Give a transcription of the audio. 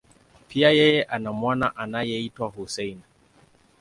Pia, yeye ana mwana anayeitwa Hussein.